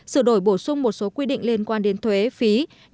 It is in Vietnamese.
sửa đổi bổ sung một số quy định liên quan đến thuế phí